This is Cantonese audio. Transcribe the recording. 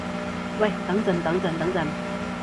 喂等陣等陣等陣